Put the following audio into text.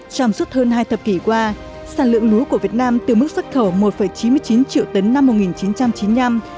trong suốt hơn hai thập kỷ qua sản lượng lúa của việt nam từ mức xuất khẩu một chín mươi chín triệu tấn năm một nghìn chín trăm chín mươi năm